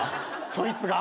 そいつが？